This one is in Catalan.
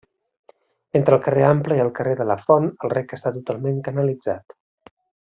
Entre el carrer Ample i el carrer de la Font el rec està totalment canalitzat.